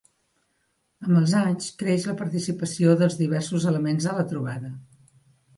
Amb els anys creix la participació dels diversos elements a la trobada.